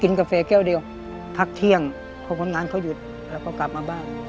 กาแฟแก้วเดียวพักเที่ยงพอคนงานเขาหยุดแล้วก็กลับมาบ้าน